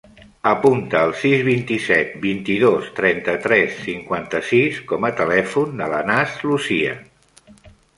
Apunta el sis, vint-i-set, vint-i-dos, trenta-tres, cinquanta-sis com a telèfon de l'Anas Lucia.